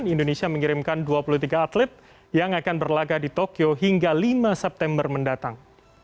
indonesia mengirimkan dua puluh tiga atlet yang akan berlaga di tokyo hingga lima september mendatang